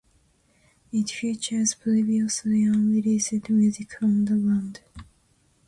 It features previously unreleased music from the band.